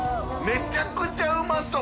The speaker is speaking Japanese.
めちゃくちゃうまそう！